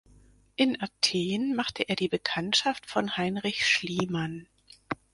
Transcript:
In Athen machte er die Bekanntschaft von Heinrich Schliemann.